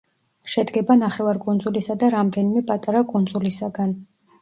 შედგება ნახევარკუნძულისა და რამდენიმე პატარა კუნძულისაგან.